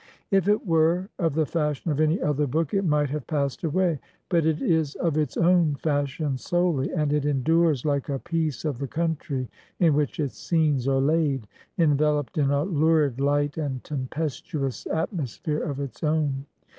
If it were of the fashion of any other book, it might have passed away, but it is of its own fashion solely, and it endures like a piece of the country in which its scenes are laid, enveloped in a lurid light and tempestuous at mosphere of its own.